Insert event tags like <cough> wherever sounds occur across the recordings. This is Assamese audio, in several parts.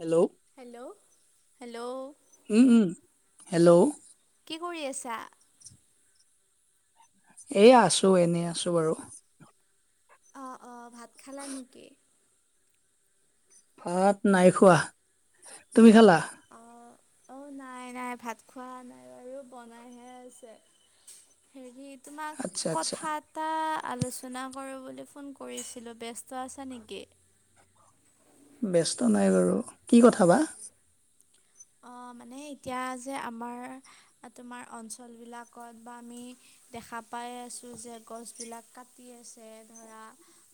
হেল্ল'। Hello, hello. উম, উম। হেল্ল'। কি কৰি আছা? এই, আছোঁ। এনেই আছোঁ বাৰু। অ', অ'। ভাত খালা নেকি? ভাত নাই খোৱা। তুমি খালা? অ', অ'। নাই, নাই। ভাত খোৱা নাই বাৰু, বনাইহে আছে। হেৰি, তোমাক আচ্ছা আচ্ছা কথাত টা আলোচনা কৰিবলৈ ফোন কৰিছিলোঁ। ব্যস্ত আছা নেকি? ব্যস্ত নাই বাৰু। কি কথা বা? অ', মানে এতিয়া যে আমাৰ, তোমাৰ অঞ্চলবিলাকত বা আমি দেখা পাই আছোঁ যে গছবিলাক কাটি আছে, ধৰা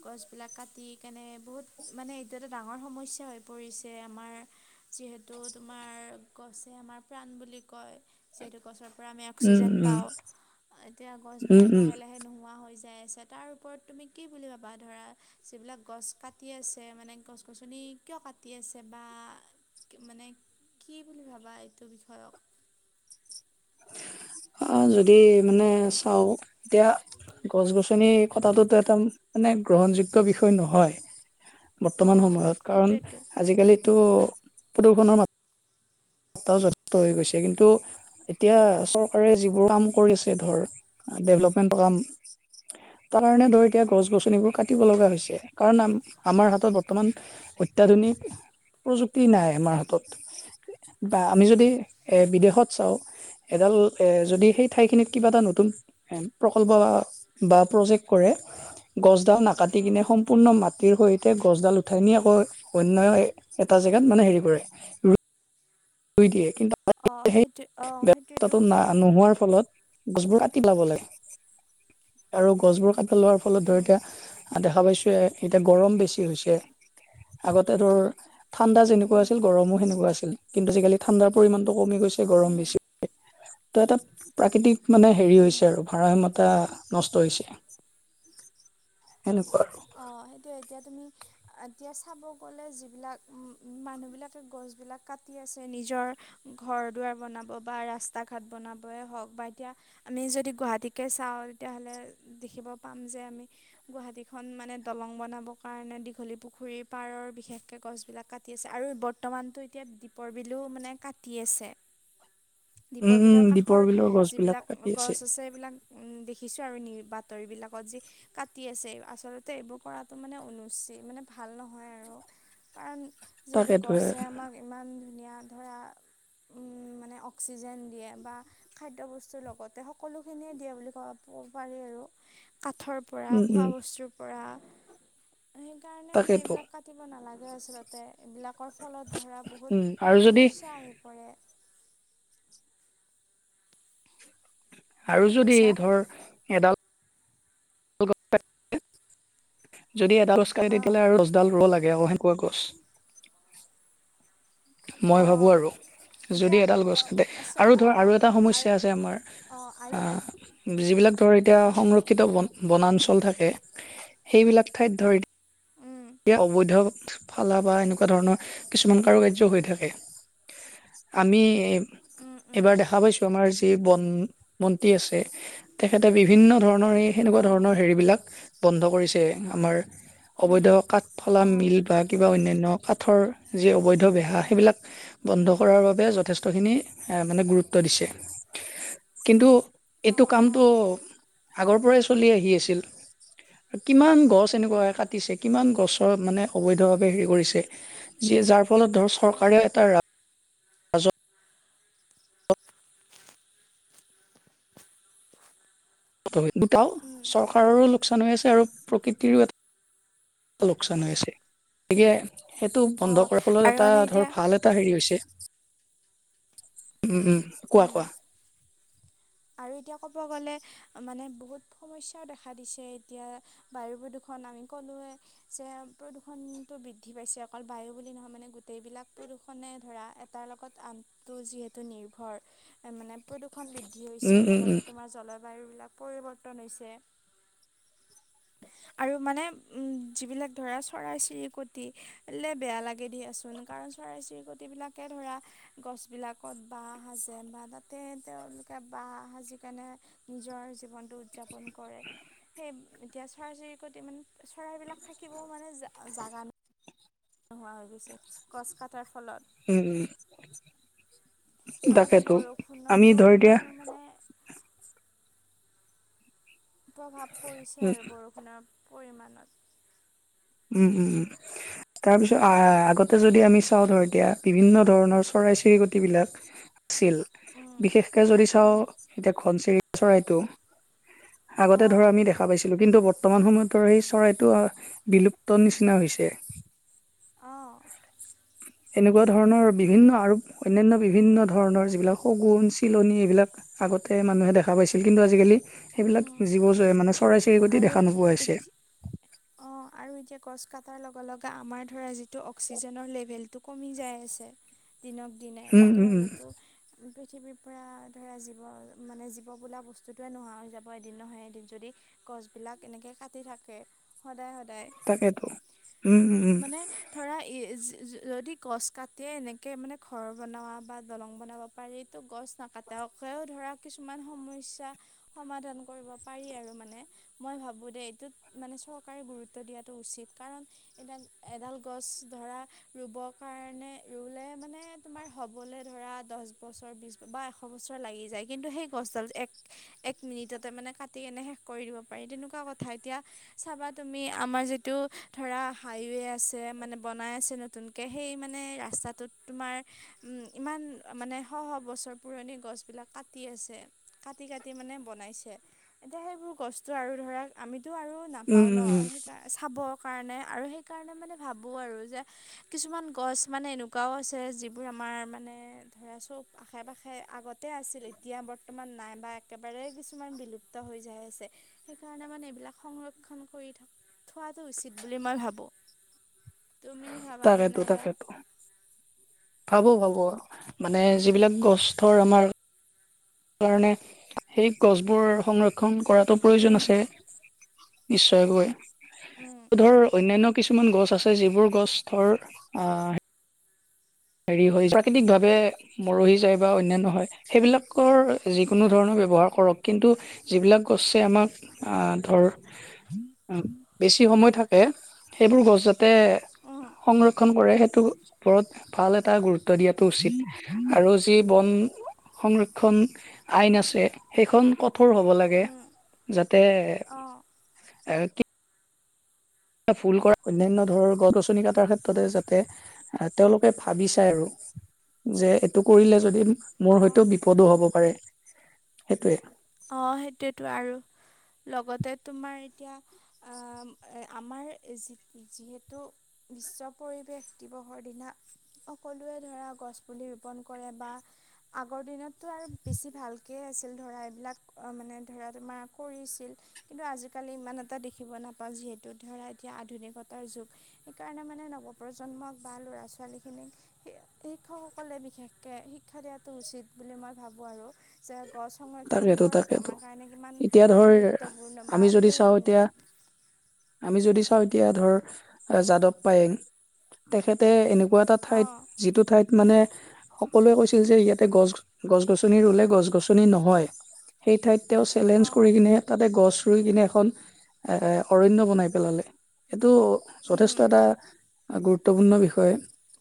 গছবিলাক কাটি কেনে, বহুত মানে, এইটো এটা ডাঙৰ সমস্যা হৈ পৰিছে আমাৰ যিহেতু, তোমাৰ গছেই আমাৰ প্ৰাণ বুলি কয়। যিহেতু গছৰ পৰাই আমি উম অক্সিজেন উম পাওঁ। এতিয়া উম গছবিলাক উম লাহে-লাহে নোহোৱা হৈ যায় আছে। তাৰ ওপৰত তুমি কি বুলি ভাবা? ধৰা যিবিলাক গছ কাটি আছে, মানে, গছ-গছনি কিয় কাটি আছে? বা মানে, কি বুলি ভাবা এইটো বিষয়ক? আ, যদি মানে, চাওঁ এতিয়া গছ-গছনি কটাটো একদম, মানে, গ্ৰহণযোগ্য বিষয় নহয়। বৰ্তমান অঁ সময়ত, কাৰণ সেইটোৱেতো। আজিকালিতো প্ৰদূষণৰ মাজ ত যথেষ্টই হৈ গৈছে। কিন্তু এতিয়া চৰকাৰে যিবোৰ কাম কৰিছে, ধৰ ডেভেলপমেণ্টৰ কাম তাৰ কাৰণে, ধৰ, এতিয়া উম গছ-গছনিবোৰ কাটিব লগা হৈছে। কাৰণ আম-আমাৰ হাতত বৰ্তমান উম অত্যাধুনিক প্ৰযুক্তি নাই আমাৰ হাতত। বা, আমি যদি উম বিদেশত চাওঁ, এডাল এ, যদি সেই ঠাইখিনিত কিবা এটা নতু তুন প্ৰকল্প বা প্ৰজেক্ট কৰে গছডাল নাকাটি উম। কিনে, সম্পূৰ্ণ মাটিৰ সৈতে গছডাল উঠাই নি আকৌ অন্য এটা জেগাত, মানে, হেৰি কৰে, ৰু ৰুই দিয়ে, কিন্তু অ', সেইটোৱেই। অ', সেইটোৱেইতো। আ, নোহোৱাৰ ফলত গছবোৰ কাটি পেলাব লাগে। আৰু গছবোৰ কাট পেলোৱাৰ ফলত, ধৰ, উম এতিয়া দেখা পাইছোঁয়েই, এতিয়া গৰম বেছি হৈছে। আগতে, ধৰ ঠাণ্ডা যেনেকুৱা উম আছিল, গৰমো সেনেকুৱা আছিল। কিন্তু আজিকালি ঠাণ্ডাৰ পৰিমাণটো কমি গৈছে ছে। গৰম উম বেছি, ত', এটা প্ৰাকৃতিক মানে, হেৰি উম। হৈছে আৰু ভাৰসাম্য টা নষ্ট হৈছে, সেনেকুৱা আৰু অ', সেইটোৱেই। এতিয়া তুমি এতিয়া চাব গ'লে, যিবিলাক মানুহবিলাকে গছবিলাক কাটি আছে, নিজৰ ঘৰ-দুৱাৰ বনাব বা ৰাস্তা-ঘাট বনাবই হওক, বা এতিয়া আমি যদি গুৱাহাটীকে চাওঁ তেতিয়াহ'লে দেখিব পাম যে আমি গুৱাহাটী‌ত এখন মানে দলং বনাবৰ কাৰণে দীঘলী পুখুৰীৰ পাৰৰ বিশেষকে গছবিলাক কাটি আছে আৰু ব বৰ্তমানটো এতিয়া দীপৰ বিলো মানে কাটি আছে উম দীপৰ উম বিলৰ দীপৰ কাষৰ বিলৰ গছ বিলাক যিবিলাক কাটি গছ আছে সেইবিলাক উম, দেখিছো আৰু নি বাতৰি বিলাকত যে কাটি আছে। আচলতে এইবোৰ কৰাটো মানে অনুচিত মানে ভাল নহয় আৰু কাৰণ যিহেতু তাকেতো এ গছে আমাক ইমান ধুনীয়া ধৰা উম, মানে অক্সিজেন দিয়ে বা খাদ্য বস্তুৰ লগতে সকলোখিনিয়ে দিয়া বুলি ক'ব পাৰি আৰু কাঠৰ পৰা উম খোৱা উম বস্তুৰ পৰা সেইকাৰণে মানে তাকেতো এইবিলাক কাটিব নালাগে আচলতে এইবিলাকৰ ফলত ধৰা উম বহুত আৰু যদি সমস্যা আহি পৰে। কি আৰু যদি কৈছা ধৰ এডাল যদি এডাল গছ কৰে অঁ তেতিয়াহলে আৰু দহ দৰ ৰুব লাগে আৰু সেনেকুৱা গছ। মই ভাবো অঁ আৰু। যদি এতিয়া এডাল গছ অম, কাটে আচ্ছা আৰু ধৰ অঁ আৰু এটা আৰু সমস্যা আছে আমাৰ অঁ আৰু এ যিবিলাক ধৰ এতিয়া অঁ সংৰক্ষিত বন বনাঞ্চল থাকে সেইবিলাক ঠাইত ধৰ উম। এতিয়া অবৈধ ফালা বা এনেকুৱা ধৰণৰ কিছুমান কাৰুকাৰ্য হৈ থাকে। আমি উম উম এইবাৰ দেখা পাইছো আমাৰ যে যি বন মন্ত্ৰী আছে তেখেতে বিভিন্ন ধৰণৰ এই সেনেকুৱা অঁ ধৰণৰ হেৰি বিলাক বন্ধ কৰিছে আমাৰ উম অবৈধ কাঠফলা অঁ মিল বা কিবা অন্যান্য কাঠৰ যি অবৈধ উম বেহা উম সেইবিলাক বন্ধ উম কৰাৰ বাবে যথেষ্টখিনি মানে গুৰুত্ব দিছে কিন্তু এইটো অঁ অঁ কামটো আগৰ পৰাই চলি আহি আছিল। কিমান গছ উম এনেকুৱা কাটিছে। কিমান গছৰ মানে অবৈধ ভাৱে হেৰি কৰিছে যি যাৰ ফলত ধৰ অঁ চৰকাৰে এটা ৰাজত্ব দুটাও উম চৰকাৰ ৰৰো লোকচান হৈ আছে আৰু প্ৰকৃতিৰো এটা লোকচান হৈ আছে গতিকে সেইটো অঁ বন্ধ কৰাৰ ফলত আৰু এটা মানে ধৰ এতিয়া ভাল এটা এটা হেৰি হৈছে উম, উম, কোৱা উম কোৱা। আৰু এতিয়া ক'ব গ'লে মানে বহুত সমস্যাও দেখা দিছে এতিয়া বায়ু প্ৰদূষণ আমি ক'লোৱে। যে প্ৰদূষণটো বৃদ্ধি পাইছে অকল বায়ু বুলি নহয় মানে গোটেইবিলাক প্ৰদূষণে ধৰা এটাতৰ লগত আনটো যিহেতু নিৰ্ভৰ মানে প্ৰদূষণ বৃদ্ধি হৈছে উম উম লগতে উম তোমাৰ জলবায়ুবিলাক পৰিৱৰ্তন হৈছে। আৰু মানে উম, যিবিলাক ধৰা চৰাই চিৰিকটি বেয়া লাগে দিয়াচোন। কাৰণ চৰাই চিৰিকটিবিলাকে ধৰা গছবিলাকত বাহ সাজে বা তাতে তেওঁলোকে বাহ সাজি কেনে নিজৰ জীৱনটো উদযাপন কৰে সেই এতিয়া চৰাই চিৰিকটি মানে চৰাইবিলাক থাকিবও মানে জাগা ন নোহোৱা হৈ গৈছে গছ কাটাৰ ফলত। উম, উম, লগতে তাকেতো বৰষুণৰ আমি ধৰ এতিয়া পৰিমাণো মানে প্ৰভাৱ পৰিছে উম আৰু বৰষুণৰ পৰিমাণত। উম, উম, উম। তাৰ পিছত আহ আগতে যদি আমি চাওঁ ধৰ এতিয়া বিভিন্ন ধৰণৰ চৰাই চিৰিকট বিলাক। <inaudible> ছিল উম, বিশেষকে যদি চাওঁ উম, এতিয়া ঘনচিৰি চৰাইটো আগতে ধৰ অঁ আমি দেখা পাইছিলো কিন্তু বৰ্তমান সময়ত ধৰা সেই চৰাইটো বিলুপ্ত। তৰ নিচিনা হৈছে অঁ এনেকুৱা ধৰণৰ বিভিন্ন আৰু অন্য়ান্ বিভিন্ন ধৰণৰ যিবিলাক সগুন এইবিলাক আগ মানুে দেখা পাইছিল উম। কিন্তুাল সবিল সেই গতি দেখা নোপোৱা হৈছে অ আৰু এতিয়া গছ কটাৰ লগে লগে আমাৰ ধৰা যিটো অক্সিজেনৰ লেভেলটো কমি যায় আছে দিনক দিনে উম এনেকে উম উম হলেতো পৃথিৱীৰ পৰা ধৰা জীৱ মানে জীৱ বোলা বস্তুটোৱে নোহোৱা হৈ যাব এদিন নহয় এদিন যদি গছবিলাক এনেকে কাটি থাকে সদায় সদায় তাকেইেতো উম উম উম মানে ধৰা যদি গছ কাটিয়ে এনেকৈ মানে ঘৰ বনোৱা বা দলং বনাব পাৰো গছ নাকাটাকেও ধৰা কিছুমান সমস্্যা সমাধান কৰিব পাৰি আৰু মানে মই ভাবো দে এইটোত মানে চ চৰকাৰে গুৰুত্ব দিয়াটো উচিত কাৰণ এডাল এডাল গছ ধৰা ৰুব কাৰণে ৰুলে মানে তোমাৰ হবলে ধৰা দহ বছৰ বি বা এশ বছৰ লাগি যায় কিন্তু সেই গছডাল এক এক মিনিটতে মানে কাটি কেনেেষ কৰি দিব পাৰি তেনেকুৱা কথা এতিয়া চাবাত তুমি আমাৰ যিটো ধৰা হাইৱে আছে মানে বনাই আছে নতুনকৈ সেই মানে ৰাস্তাটোত তোমাৰ উ ইমান মানে শ শ বছৰ পুৰণি গছবিলাক কাটি আছে কাটি কাটি মানে বনাইছে এতিয়া সেইবোৰ বস্তু আৰু ধৰক আমিতো আৰু ন উম পান উম উম সেই চাবৰ কাৰণে আৰু সেইকাৰণে মানে ভাবো আৰু যে কিছুমান গছ মানে এনেকা কুকাও আছে যিবোৰ আমাৰ মানে ধৰা চব আশে পাশে আগতে আছিল এতিয়া বৰ্তমান নাইবা একেবাৰে কিছুমান বিলুপ্ত হৈ যাই আছে সেইকাৰণে মানে এইবিলাক সংৰক্ষ ভ তাকেতো তাকেতো ভাবো ভাবো আৰু মানে যিবিলাক গছৰ আমাৰ কাৰণে সেই গছবোৰ সংৰক্ষণ কৰাতো প্ৰয়োজন উম আছে উম নিশ্চয়কৈ ধৰ অন্য়ান্্য ছু গছে য হেৰি হৈ প্ৰাকৃতিকভাৱে মৰহি যায় বা অনন্্যান্য় হয় সেইবিলাকৰ যিকোনো ধৰণৰ ব্য্ৱহাৰ কৰক কিন্তু যিবিলাক গছেছে আমাক ধৰ বেছি সময় থাকে সেইবোৰ গছ যাতে উম সংৰক্ষণ কৰে সেইটোৰ ওপৰত ভাল এটা গুৰুত্ব দিয়াতটো উচিত আৰু যি বন সংৰক্ষণ আইন আছে সেইখন ক কঠোৰ হ'ব লাগে উম যাতে অ ফুল কৰা অন্্যান্য ধৰণৰ গছ গছনি কাটাৰ উম ক্ষেত্ৰতে তেওঁলোকে ভাবি চাই আৰু যে এইটো কৰিলে যদি অ মোৰ হয়তো পদো হ'ব পাৰে সেইটোৱে। অ সেইটোৱেতো আৰু লগতে তোমাৰ এতিয়া আম আমাৰ যিহেতু বিশ্ব পৰিৱেশ দিৱসৰ দিনা। সকলোৱে ধৰা গছ পুলি ৰোপন কৰে বা আগৰ দিনততো আৰু বেছি ভালকৈ আছিল ধৰা এইবিলাক অহ মানে ধৰা তোমাৰ কৰিছিল। কিন্তু আজিকালি ইমান এটা দেখিব নাপাওঁ যিহেতু ধৰা এতিয়া আধুনিকতাৰ যুগ। সেইকাৰণে মানে নৱপ্ৰজন্মক বা ল'ৰা ছোৱালী খিনিক শিক্ষকসকলে বিশেষকে শিক্ষা দিয়াটো উচিত বুলি মই ভাবোঁ আৰু। যে গছ সং ক্ষণ তাকেতো কৰাটো তাকেতো আমাৰ কাৰণে কিমান এতিয়া ধৰ গুৰুত্বপূৰ্ণ বা আমি যদি চাওঁ এতিয়া প্ৰয়োজনীয়। আমি যদি চাওঁ, এতিয়া ধৰ যাদৱ পায়েং তেখেতে এনেকুৱা এটা ঠাইত অঁ যিটো ঠাইত মানে, সকলোৱে কৈছিল যে ইয়াতে গছ, গছ গছনি ৰুলে গছ গছনি নহয়। সেই ঠাইত তেওঁ চেলেঞ্জ অঁ কৰি কিনে তাতে গছ ৰুই কিনে, এখন এ অৰণ্য বনাই পেলালে। এইটো উম যথেষ্ট এটা গুৰুত্বপূৰ্ণ বিষয়,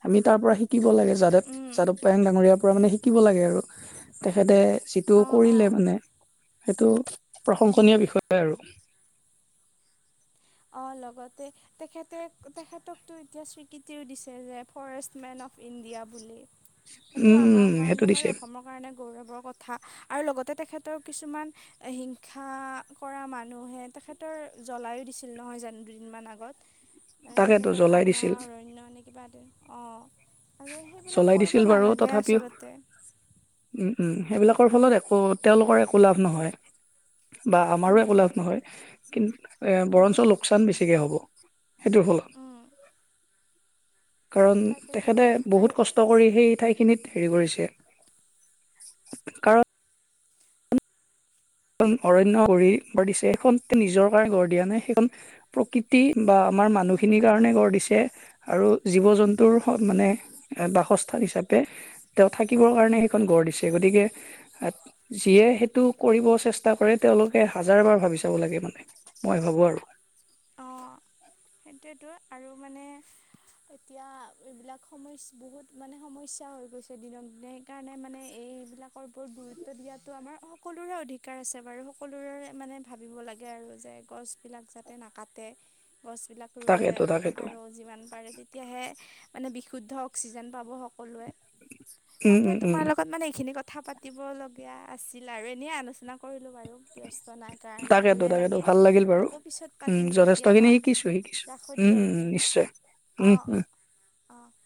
আমি তাৰ পৰা শিক শিকিব লাগে, যাদৱ, উম যাদৱ পায়েং ডাঙৰীয়াৰ পৰা মানে শিকিব লাগে আৰু তেখেতে এইটো অঁ অঁ কৰিলে মানে, সেইটো উম প্ৰশংসনীয় বিষয় আৰু। অ' লগতে তেখেতে তেখেতকতো এতিয়া স্বীকৃতিও দিছে যে ফৰেষ্ট মেন অফ ইণ্ডিয়া বুলি। সেইটো উম আমাৰ উম সেইটো কাৰণে বাৰু দিছে অসমৰ কাৰণে গৌৰৱৰ কথা আৰু লগতে তেখেতৰ কিছুমান হিংসা কৰা মানুহে তেখেতৰ জ্বলায়ো দিছ ছিল নহয় জানো দুদিনমান আগত, মানে তাকেতো তেখেতৰ জ্বলাই আধা দিছিল অৰণ্য এনেক কিবা, অ' সেইবিলাক জ্বলাই কৰিব দিছিল বাৰু নালাগে তথাপিও আচলতে। উম উম, সেইবিলাকৰ ফলত একো তেওঁলোকৰ একো লাভ নহয়। বা আমাৰো উম একো লাভ নহয়, কিন্তু এ উম বৰঞ্চ লোকচান বেছিকে হ'ব, সেইটোৰফলত, উম, কাৰণ তাকেতো তেখেতে আৰু বহুত কষ্ট কৰি সেই ঠাইখিনিত হেৰি কৰিছে, কাৰ খন অৰণ্য গঢ়িছে সেইখন নিজৰ কাৰণে গঢ় দিয়া নাই সেইখন প্ৰকৃতি বা আমাৰ উম, মানুহখিনিৰ কাৰণে গঢ় দিছে। আৰু জীৱ জন্তুৰ মানে উম, এ বাসস্থান হিচাপে তেওঁ থাকিবৰ কাৰণে সেইখন গঢ় দিছে গতিকে, যিয়ে সেইটো কৰিব চেষ্টা কৰে তেওঁলোকে হাজাৰ বাৰ ভাবি চাব লাগে, মানে মই ভাবো আৰু। অ' সেইটোৱেটো আৰু মানে এতিয়া এইবিলাক সমস্ বহুত মানে সমস্যা হৈ গৈছে দিনক দিনে সেইকাৰণে মানে এইবিলাক ওপৰত গুৰুত্ব দিয়াতটো আমাৰ সকলোৰে অধিকাৰ আছে, বাৰু সকলোৰে মানে ভাবিব লাগে আৰু যে গছবিলাক যাতে নাকাটে গছবিলাক ৰুৱে তাকেতো তাকেতো আৰু যিমান পাৰে তেতিয়াহে মানে বিশুদ্ধ অক্সিজেন পাব। লোৱে, উম তাকে উম উম তোমাৰ লগত মানে এইখিনি ক কথা পাতিবলগীয়া আছিল আৰু এনেই আলোচনা কৰিলোঁ বাৰু। ব্যস্ত নাই কাৰণে তাকেতো ভালেই তাকেতো লাগিল, ভাল বাৰু আকৌ পিছত উম পাতিম কেতিয়াবা, যথেষ্টখিনি শিকিছো শিকিছো ৰাখোঁ উম দিয়া উম উম এতিয়া, নিশ্চয় উম উম অ'। অ'।